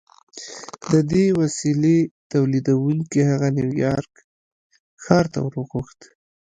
د دې وسیلې تولیدوونکي هغه نیویارک ښار ته ور وغوښت